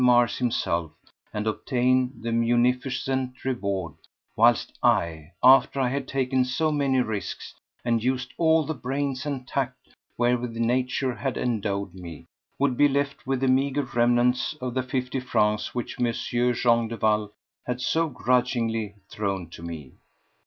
Mars himself and obtain the munificent reward whilst I, after I had taken so many risks and used all the brains and tact wherewith Nature had endowed me, would be left with the meagre remnants of the fifty francs which M. Jean Duval had so grudgingly thrown to me.